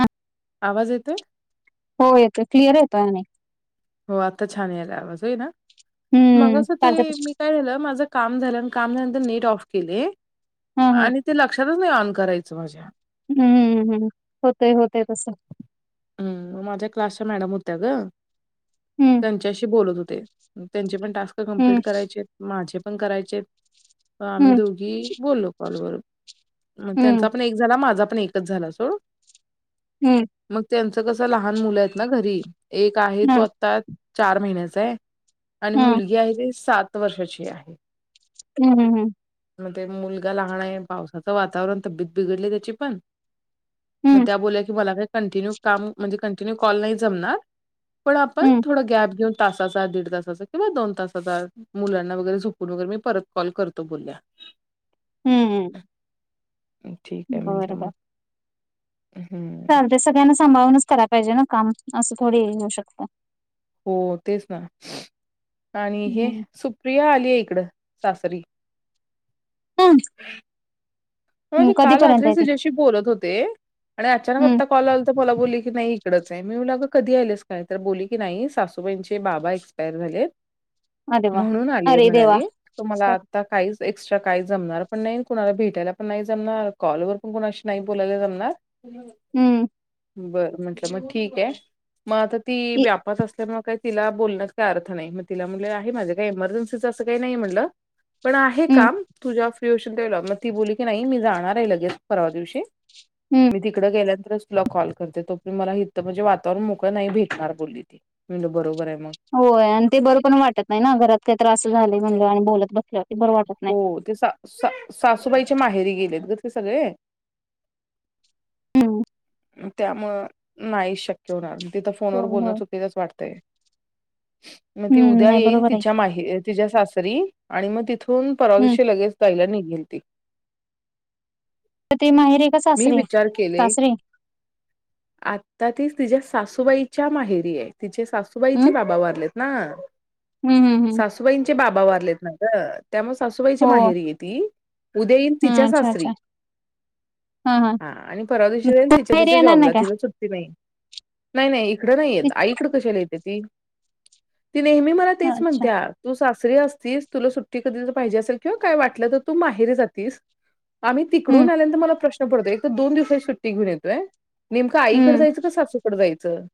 हा आवाज येतोय हो येतोय क्लिअर येतो आणि हो आत्ता छान यायला आवाज आहे ना मग हम्म असं हा ते मी काय झालं माझं काम झालं काम झाल्यानंतर नेट ऑफ केले हा आणि ते लक्षातच नाही ऑन करायचं माझ्या हम्ममम हम्म होतय होतय तसं हम् माझ्या क्लासच्या मॅडम होत्या ग हम्म त्यांच्याशी बोलत होते त्यांचे पण टास्क कंप्लीट हम्म करायचे माझे पण करायचे आम्ही हम्म दोघी बोललो कॉलवरून हम्म त्यांचा पण एक झाला माझा पण एकच झाला सोड हम्म मग त्यांचं कसं लहान मुलं आहेत ना घरी एक आहे हा तो आता चार महिन्याचा आहे आणि हा मुलगी आहे ती सात वर्षाची आहे हम्म हम हम मग ते मुलगा लहण आहे पावसाचं वातावरण तब्येत बिघडले त्याची पण मग हम्म त्या बोलल्या की मला काही कंटिन्यू काम म्हणजे कंटिन्यू कॉल नाही जमणार पण आपण थोडा गॅप घेऊन तासाचा दीड तासाचा किंवा दोन तासाचा मुलांना वगैरे झुकून वगैरे मी परत कॉल करतो बोलल्या [inaudible] हम्म हम्म ठीक आहे म्हटलं मग हम्म. चाल ते सगळ्यांना सांभाळूनच करायला पाहिजे ना काम असं थोडे येऊ शकतं हो तेच ना आणि हे हम्म सुप्रिया आली आहे त सासरी प म्हणजे काल रात्रीच्याशी बोलत होते आणि अचानक हम्म आता कॉल आला तर मला बोलली की नाही इकडच आहे मीलाग कधी आलेस काय तर बोलली की नाही सासूबाईंचे बाबा एक्सपायर झाले अरे वा म्हणून आली अरे देवा म्हणाली तु मला आता काहीच एक्स्ट्रा काही जमणार पण नाही कुणाला भेटायला पण नाही जमणार कॉलवरर पण कुणाशी नाही बोलायला जमणार हम्म बर म्हंटलं मग ठीक आहे मग आता ती व्यापात असल्यामुळे काय तिला बोलण काय अर्थ नाही मग तिला म्हण आहे माझ्या काही एमर्जन्सीचा असं काही नाही म्हटलं पण आहे हम्म काम तुझ्या फ्री असशल ते मग ती बोलली की नाही मी जाणार आहे लगेच परवा दिवशी हम्म मी तिकडं गेलात कॉल करते तो मला ह म्हणजे वातावरण मोकळ नाही भेटणार बोलली त बरोबर आहे मग. होय आणि ते बरं पण वाटत नाही ना घरात काही त्रास झाले म्हणल आणि बोलत बसल्या हो ते सासूबाईच्या माहेरी गेलेत सगळे हम्म त्यामुळं नाही शक्य होणार तिथं फोनवर होय बोलणं होय चुकीचच वाटतय मग ती हम्म उद्या नाही येईल बरोबर आहे तिच्या माही तिच्या सासरी आणि मग तिथून हम्म पवाजशी लगेच जायला निघ ते तर ते माहेर आहे का सासरे केले सासरे आता ती तिच्या्या सासूबाईच्या माहेरी आहे तिचे हम्म सासूबाईचे बाबा वारले ना हम्म हम्म हम्म सासूबाईंचे बाबा वारलेत ना का त्यामुळे सासूबाईची हो माहेरी आहे ती उद्यान हा तिच्या अच्छा सासरी अच्छा हा आणि परवा दिश ति माहेरी येणार नाही जब का त सुट नाही नाही इकड नाही आई का त नेहमी मला तेच अच्छा म्हणत्या तू दरी असस तुला सुट्टी कधी पाहिजे असेल किंवा काय वाटलं तर तू माहेरी जातस आम्ही हम्म तिकडून आल्यानंत मलाश्न पडतोय एक तर दोन दिवसाची सुट्टी घेन येतोय नेमकं आईकड हम्म जायचं का सासूकड जायचं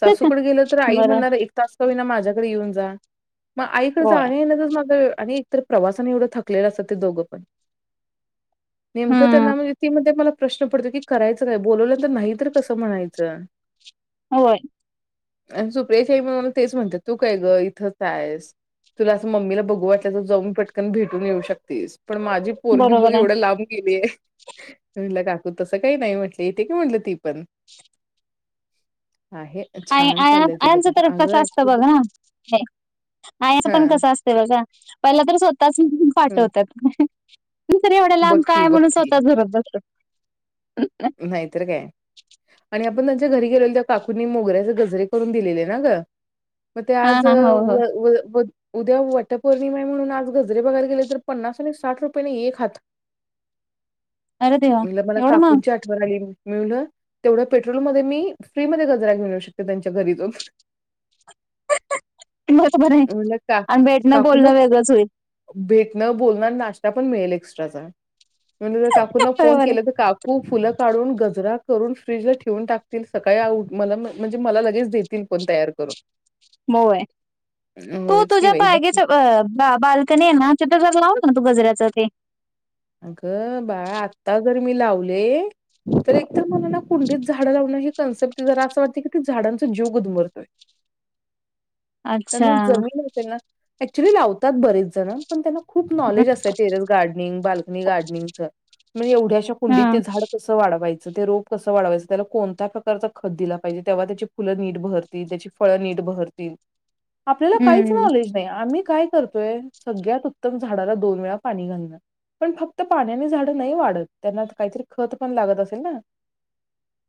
सासूकडे गेल तर आई बरं म्हणणार एक तास कमी ना माझ्याकडे येऊन जा मग आईकड जा होय आहे न तर माझं आणि एकतर प्रवासाने एवढं थकलेलं असतं ते दोघं पण नेमकं हम्म त्यांना म्हणजे ती मध्ये मला प्रश्न पडतो की करायचं काय बोलवल्यांत नाही तर कसं म्हणायचं होय आणि सुप्रे साई म्हण मला तेच म्हणतात तू काय ग इथंच आहेस तुला असं मम्मीला बघू वाटल्या तर जाऊन पटकन भेटून येऊ शकतेस पण माझी पोरगी बघ बरोबर आहे एवढं लांब गेलीय. मी म्हटलं काकू तसं काही नाही म्हटलं, येते का म्हटलं ती पण आहे आणि छान आया चाललंय तिचं आयांचं पण तर अगं कसं असतं बघ ऍक्च्युली ना आयाच हा पण कसं असते बघा पहिला तर स्वतःच पाठवतात नंतर एवढ्याला लांब बक्की का म्हणून बक्की स्वतः रडत बसतात. तुझ्या घरी गेलेलो तेव्हा काकूंनी मोगऱ्याचे गजरे करून दिलेले ना ग. मग ते हा आज हा हो हो व व [unintelligible] उद्या वटपौर्णिम आहे म्हणून आज गजरे बघायला गेले तर पन्नास आणि साठ रुपयेने एक हात अरे देवा एवढं महा कोणाची आठवण आली म्हणून तेवढ्या पेट्रोलमध्ये मी फ्री मध्ये गजरा घेऊन येऊ शकते त्यांच्या घरी जाऊन. [unintelligible] म्हणलं का आणि भेटणं काकूंना बोलणं वेगळंच होईल. भेटणं बोलणं, नाश्ता पण मिळेल एक्स्ट्रा का म्हणून काकूना फोन बरोबर आहे केला तर का फुलं काढून गजरा करून फ्रीजला ठेवून टाकतील सकाळी मला म्हणजे मला लगेच देतील पण त्या तयार करून मग काय. तू होयच की तुझ्या बाई बघ की. [unintelligible] अह बाल्कनी [unintelligible] लावून तू गजऱ्याच ते अगं बाळा, आता जर मी लावले तर एकतर मला ना कुंडीच झाडं लावून ही कन्सेप्ट जरा अस वाटत की झाडांचा जीव गुदमरतोय अच्छा त्यांना जमीन असेल ना एक्च्युली लावतात बरेच जण पण त्यांना खूप हं, नॉलेज असते टेरेस गार्डनिंग, बाल कनी गार्डनिंग च म्हणजे एवढ्याश्या कुंडीत ते हं, झाड कसं वाढवायच च, तर ते रोप कस वाढवायच, त्याला कोणत्या प्रकारचा खत दिल पाहिजे तेव्हा त्याची फुलं नीट बहरतील, त्याची फळ नीट बहरतील. आपल्याला काहीच हं. नॉलेज नाही आम्ही काय करतोय सगळ्यात उत्तम झाडाला दोन वेळा पाणी घालणं पण फक्त पाण्यानी झाड नाही वाढत, त्यांना काहीतरी खत पण लागत असेल ना.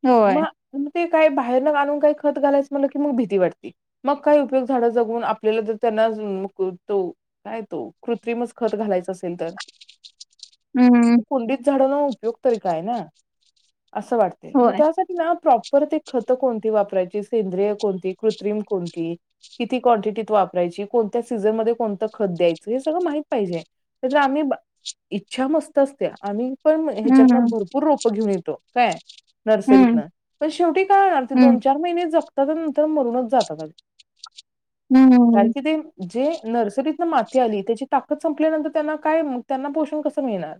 होय. मग ते काय बाहेरून आणून खत घालायच म्हटलं की म भीती वाटते. मग काही उपयोग झाड जागवून आपल्याला जर त्यांना [unintelligible] तो काय तो कृत्रिमच खत घालायचा असेल तर हं, मग कुंडीत झाडांना उपयोग तरी काय ना असं वाटते मग होय. त्यासाठी ना प्रॉप परत ते खत कोणती वापरायची, सेंद्रिय कोणती? कृत्रिम कोणती? किती क्वांटिटीत वापरायची, कोणत्या सीझन मध्ये कोणतं खत द्यायचं हे सगळं माहित पाहिजे. तसं आम्ही इच्छा मस्त असते आम्ही पण हं, ह्याच्यातन भरपूर रोपं घेऊन येतो. काय हं, नर्सरीतन पण शेवटी काय. आमचे हं, दोन चार महिने जगत त्याच्या नंतर मरूनच जातात कारण हं. की ते जे नर्सरीतन माती आली त्याची ताकद संपल्यानंतर त्यांना काय म त्यांना पोषण कसं मिळणार?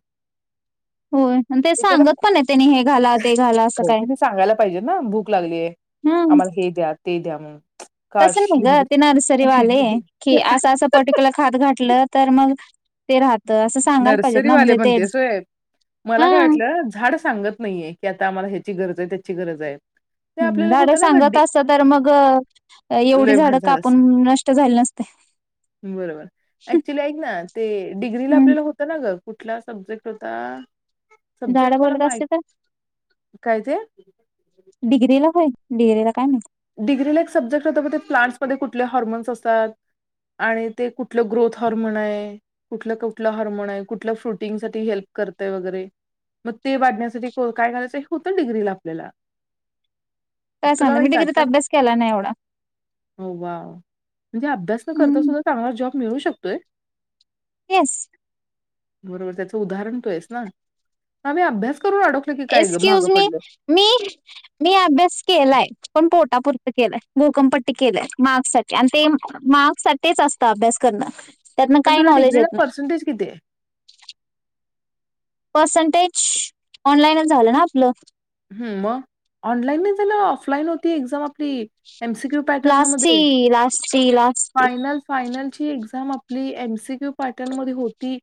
होय आणि ते त्याला, सांगत पण आहे त्यांनी हे घाला ते घाला असं हो काय. त्यांनी सांगायला पाहिजे ना भूक लागली आहे हं, आमला हे द्या ते द्या म्हणून तसं काश नाही ग लिंबू ते नर्सरीवाले की असं असं पर्टिक्युलर खाद घातलं तर मग ते रहा नर्सरी वाले म्हणतेस होय मला काय हां. वाटलं झाड सांगत नाहीये की आता आम्हाला ह्याची गरज आहे त्याची गरज आहे ते हम्म आपल्याला झाडं होतं ना गं सांगत डि असत तर मग एवढी लय झाडं भारी झालं असं कापून नष्ट झाली नसते बरोबर, ऍक्च्युली ऐक ना ते डिग्रीला हं, आपल्याला हो त ना ग कुठला सब्जेक्ट होता झाडं सब्जेक्ट मला बोलत माहित असते तर काय ते डिग्रीला होय डिग्रीला काय माहित डिग्रीला एक सब्जेक्ट होत ते प्लांट्समध्येध्ये कुठले हॉर्मोन्स असतात. आणि ते कुठलं ग्रोथ हॉर्मोन आहे कुठलं कुठलं हॉर्मोन आहे कुठलं फ्रुटिंग साठी हेल्प करताय वगैरे मग ते वाढण्यासाठी काय कारायचं हे होतं डिग्रीला आपल्याला. काय तुला सांगता नाही मी का डिग्रीत आठवत अभ्यास केला नाही एवढा हो वा. म्हणजे अभ्यास न करता हम्म सुद्धा चांगला जॉब मिळू शकतोय. एस. बरोबर त्याच उदाहरण तो आहेस ना आमही अभ्यास. करून अडकलो की काय गं एक्सक्यूज मागं मी पडलो. मी मी अभ्यास. केलाय पण पोटापुरत केलंय भूकंमपट्टी केलंय मार्क्स साठी आणि ते मार्क्स साठी असत अभ्यास करणं त्यातन पण काही तुला नॅलेज डिग्रीला येत नाही. पर्सेंटेज किती आहे? पर्सेंटेज ऑनलाईनच झालं ना आपलं. हम्म मग ऑनलाईन नाही जला ऑफलाईन होती एक्झाम आपली. एमसी क्यू लास्टची पॅटर्नमध्ये लास्टची लास्टची फायनल, फायनल. एम आप एमसीक्यू पॅटर्न मध्ये होती.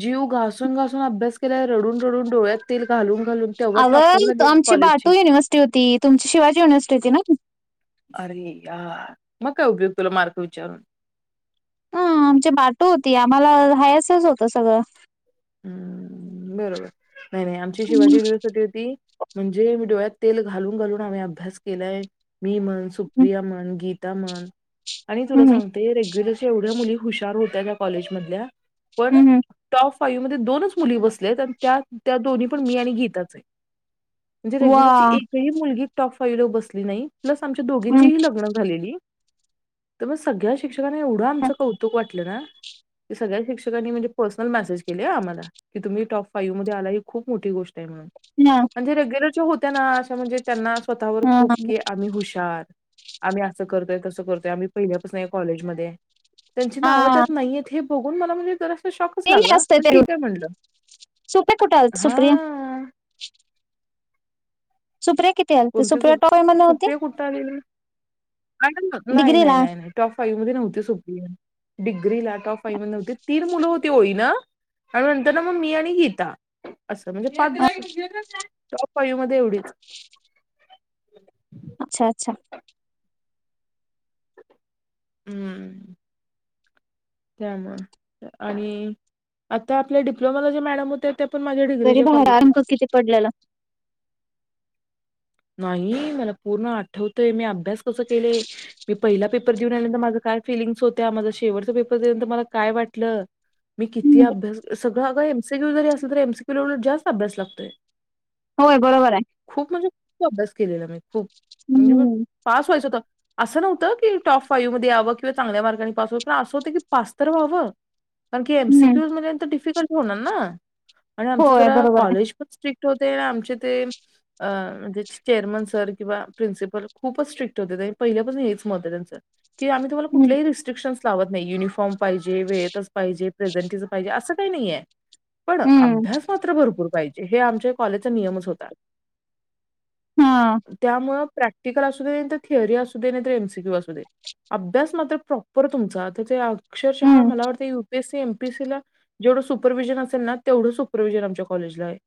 जीव घासून, घासून अभ्यास केलाल्या रडून, रडून डोळ्यात तेल घालून घालून तेवट टॉप. मची बाटू युनिवर्सिट होती. तुमची शिवाजी युनवर्सट होती ना. अरे यार मग काय उपयोग तुला मार्क विचारून. ह आमची बाटू होती आम्हाला हायसच होतं सगळं. हम्म बरोबर नाही नाही आमची हम्म शिवाजी दिवसिती होती म्हणजे डोळ्यात. तेल घालून घालून आम्ही अभ्यास केलाय मी म्हण, हम्म सुप्रिया म्हण, गीता म्हण. आणि तुला हम्म सांगते रेग्युलरशी एवढ्या मुली हुशार होत्या त्या कॉलेजमधल्या. पण हम्म टॉफ फायु मध्ये दोनच मुली बसलेत त्या त्या दोन्ही पण मी आणि गीताच आहे. म्हणजे रेग्युलरली वा! एकही मुलगी टॉप फाईव्ह ला बसली नाही. प्लस आमच्या दोघींचीही लग्न झालेली. तर मग सगळ्या शिक्षकांना एवढं अच्छा, आमचं कौतुक वाटलं ना. सगळ्या शिक्षकनी म्हणजे पर्सनल मेसेज केले आमला की तुम्ही टॉप फाईव्हध्ये आला ही खूप मोठी गोष्ट. गोष्ट आहे म्हणून. अच्छा. म्हणजे रेग्युलरच्या होत्या ना असं म्हणजे त्यांना स्वतःवर हां, खूप की आम्ही हुशार. आम्ही असं करतोय कसं करतोय आम्ही पहिल्यापासून कॉलेजमध्ये त्यांची नावं हां. त्यात नाहीय हे. बघुन मला म्हणजे जरासा शॉकच ते नाही लागला. असतं पण ते रूट. ठीक आहे म्हणल सुप्रिया कुठे आलती सुप्रिया? हा. सुप्रिया किती आलती? कोणती सुप्रिया सुप टॉप मध्ये होती? सुप्रिया कुठ आली ना. नाही, नाही, डिग्रीला? नाही, नाही टॉप फाईव्ह मध्ये नव्हती सुप्रिया. डिग्री लॅटॉप फईमध्ये नवती तीर मुलं होते. होई ना आणि नंतर ना मग मी आणि गीता अस म्हणजे. टप फायु मध्ये एवढीच. अच्छा, अच्छा. हम्म. त्यामुळे आणि आता आपल्या डिप्लोमा जे मॅडम होते. पण माझ्या तरी डिग्रीच्या भाडं कॉलेजला अंक गे. किती पडलेलं. नाही मला पूर्ण आठवतय मी अभ्यास कस केलेय मी पहिला पेपर देऊन आल्यानंतर माझं काय. फिलिंग होत्या माझ शेवटचा पेपर दियंत मला काय वाटलं. मी किती हं. अभ्यास सगळं अग एमसीक्यू जरी असल तर एमसीक्यू जास्त अभ्यास लागतोय. होय बरोबर आहे. खूप म्हणजे खूप अभ्यास केलेला मी खूप म्हणजे म हं, पास व्हायच होत. असं नव्हतं की टॉप फाईव्ह मध्ये यावं किंवा चांगल्या मार्गांनी पास व्हाव पण असं होतं की पास तर व्हावं. कारण की हं. एमसीक्यू मंत डिफिकल्ट होणार ना. आणि आमच होय जरा बरोबर आहे. कॉलेज पण स्ट्रिक्ट होते आणि आमचे ते अ म्हणजे. चेरमन सर किंवा प्रिन्सिपल खूपच स्ट्रिक्ट होते आणि पहिल्यापासून हेच मत आहे त्यांच. क आम्हीु्हाला हं, कुल्याही रस्ट्रिकशस लावत नाही युनिफॉर्म पाहिजे वेळेतच पाहिजे प्रेझेंटच पाहिजे असं काही नाहीये पण हं. अभ्यास मात्र भरपूर पाहिजे हे आमच्या कॉलेजचा नियमच होता हां. त्यामुं प्रॅक्टिकल असू दे नाही तर थिअरी असू दे नाही तर एमसीक्यू असू दे अभ्यास मात्र प्रॉपर तुमचा तर ते हं, अक्षरशः मला वाटते ीसी एमपीसी ला जेवढं सुपरवि्हिजन असेल ना तेवढं सुपरव्हिजन आमच्या कॉलेजला आहे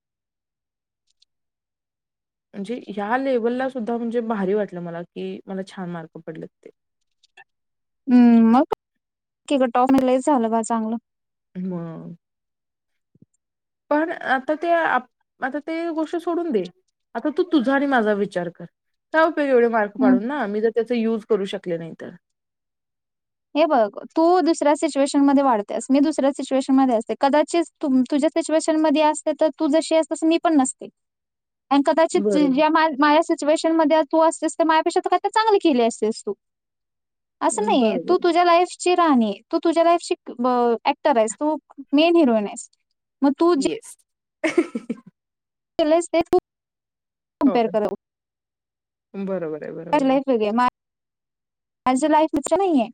[inaudible] म्हणजे या लेव्हलला सुद्धा म्हणजे भारी वाटलं मला कि मला छान मार्क पडले ते [inaudible] हम्म मगक टॉप म झालं बा चांगलं ह पण आता ते आता ते गोष्ट सोडून दे आता तू तुझा आणि माझा विचार कर का एवढे मार्क हं. पाडून नामी जर त्या युज करू शकले नाही तर हे बघ तू दुसऱ्या सिच्युएशन म वाढतेस मी दुसऱ्या सिच्युएशन म असते कित सच्युएशन म अस तर तू जशी अस मी पण नसते आणि कदाचित बरोबर, ज्या माझ्या सिच्युएशन मध्ये तू असतेस तर माझ्यापेक्षा तर काय चांगले केले असतेस तू हम् बरोबर लाईफ ची राहणी तू तुझ्या लाईफ ऍक्टर आहेस तू मेन हिरोईन आहेस मग तू येस चलाच ते हो. कपेर कर बरोबर आहे, माझ बरोबर आहे. लाईफ नाही आहे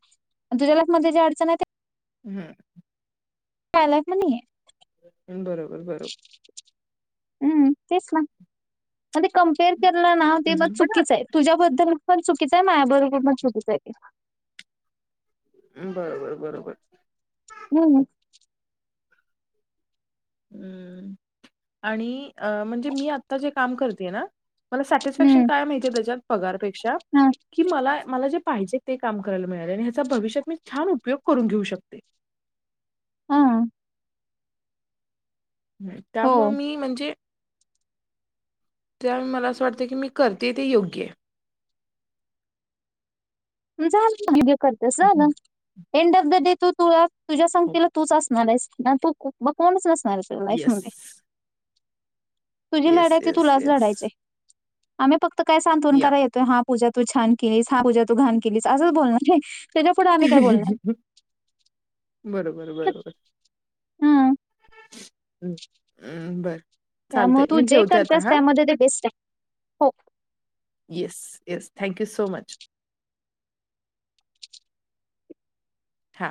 तुझ्या लाईफ मध्ये जे अडचण आहे ते हम्म पायला म्हणी बरोबर बरोबर हम्म तेसला म्ह कम्पेअर केलं नाव ते मग हं, पण आत चुकीच आहे तुझ्याबद्दल पण चुकीचं आहे माया बरोबर म चुकीच आहे ते बरोबर बरोबर ह हम् आणि अ म्हणजे मी आता जे काम करतेय ना मला सॅटिस्फॅक्शन हं. काय माहिती त्याच्यात पगारपेक्षा हां, की मला मला जे पाहिजे ते काम करायला मिळाले आणि ह्याचा भविष्यात मी छान उपयोग करून घेऊ शकते हा हो. त्यामु मी म्हणजे त्यावेळी मला असं वाटतं की मी करते ते योग्य आहे [inaudible] झालं वडिओ करतास हं. झालं एंड ऑफ द डे तू तुळा तुझ्या हो. सगतीला तूच असणार आहेस ना तू म कोणच नसणार आहे तुझ लाईफ येस. मध्ये तुझी येस, लढाय त येस, तुलाच येस. लढायची आम्ही फक्त काय सांत्वन या. करा येतोय हा पूजा तू छान केलीस हा पूजा तू घाण केलीस असंच बोलणार त्याच्या पुुढं आम्ही काय बोलणार बरोबर, हम् हम् हम्म बर त्यामुळे चालते तू मी जे ठेवते आता करतेस हा त्यामध्ये ते बेस्ट आहे yes yes thank you so much हा